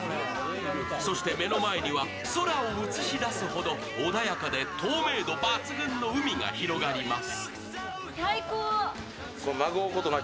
そして目の前には空を映し出すほど穏やかで透明度抜群の海が広がります。